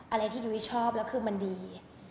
อะไรที่ยุ้ยชอบแล้วคือมันดี